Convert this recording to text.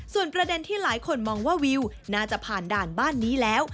ส่วนประเด็นที่หลายคนมองว่าวิวน่าจะผ่านด่านบ้านนี้แล้ว